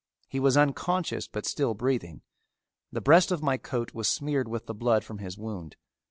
He was unconscious, but still breathing. The breast of my coat was smeared with the blood from his wound.